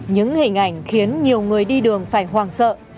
những hình ảnh khiến nhiều người đi đường phải hoàng sợ